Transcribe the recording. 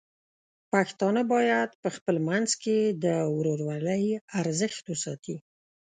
پښتانه بايد په خپل منځ کې د ورورولۍ ارزښت وساتي.